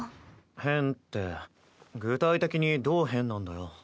変って具体的にどう変なんだよ？